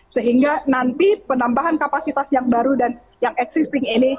sehingga nanti penambahan kapasitas yang baru dan yang existing ini